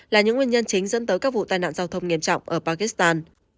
là những nguyên nhân chính dẫn tới các vụ tai nạn giao thông nghiêm trọng ở pakistan